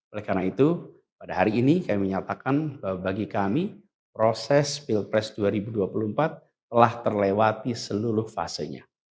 oleh karena itu pada hari ini kami menyatakan bahwa bagi kami proses pilpres dua ribu dua puluh empat telah terlewati seluruh fasenya